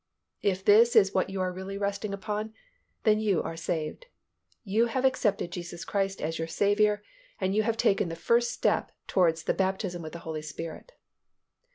If this is what you are really resting upon, then you are saved, you have accepted Jesus Christ as your Saviour and you have taken the first step towards the baptism with the Holy Spirit.